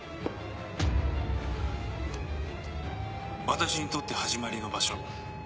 私にとって始まりの場所